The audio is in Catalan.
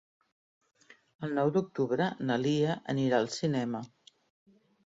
El nou d'octubre na Lia anirà al cinema.